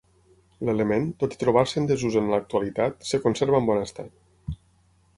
L'element, tot i trobar-se en desús en l'actualitat, es conserva en bon estat.